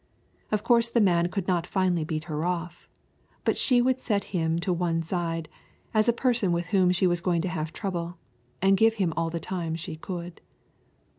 Of course the man could not finally beat her off, but she would set him to one side, as a person with whom she was going to have trouble, and give him all the time she could.